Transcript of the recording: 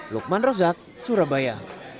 lukman rozak surabaya